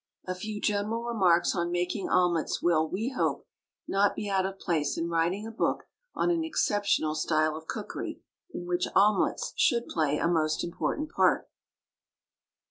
A few general remarks on making omelets will, we hope, not be out of place in writing a book on an exceptional style of cookery, in which omelets should play a most important part.